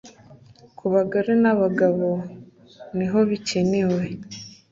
ku bagore n'abagabo nihobikenewe